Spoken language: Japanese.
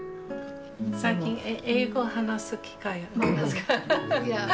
最近英語話す機会。